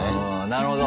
なるほど。